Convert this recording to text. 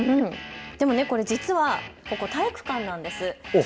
でもこれ実はここ体育館なんです。